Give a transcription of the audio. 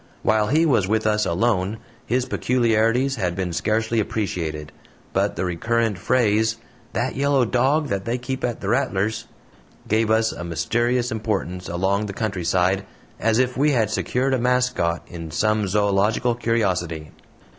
While he was with us alone, his peculiarities had been scarcely appreciated, but the recurrent phrase "that yellow dog that they keep at the Rattlers" gave us a mysterious importance along the countryside, as if we had secured a "mascot" in some zoological curiosity.